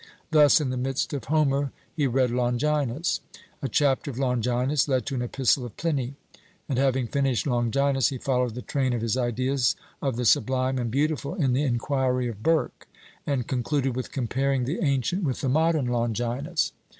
Thus in the midst of Homer he read Longinus; a chapter of Longinus led to an epistle of Pliny; and having finished Longinus, he followed the train of his ideas of the sublime and beautiful in the Inquiry of Burke, and concluded with comparing the ancient with the modern Longinus.